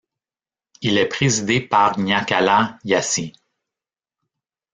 Il est présidé par Gnakala Yaci.